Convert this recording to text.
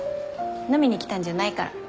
飲みに来たんじゃないから。